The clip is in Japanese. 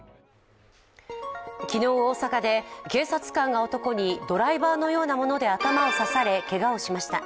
昨日、大阪で警察官が男にドライバーのようなもので頭を刺され、けがをしました。